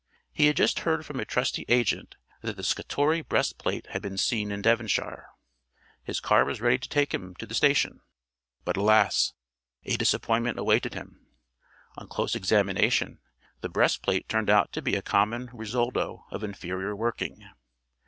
He had just heard from a trusty agent that the Scutori breast plate had been seen in Devonshire. His car was ready to take him to the station. But alas! a disappointment awaited him. On close examination the breast plate turned out to be a common Risoldo of inferior working.